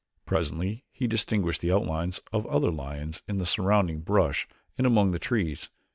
Presently he distinguished the outlines of other lions in the surrounding brush and among the trees.